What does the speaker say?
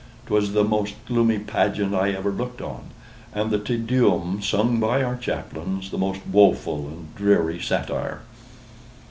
'Twas the most gloomy pageant I ever looked on; and the "Te Deum" sung by our chaplains, the most woful and dreary satire.